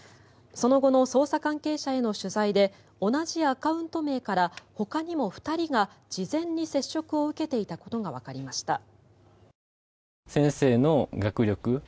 その後の捜査関係者への取材で同じアカウント名からほかにも２人が事前に接触を受けていたことがわかりました。